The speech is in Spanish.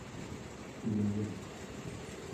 tú bebes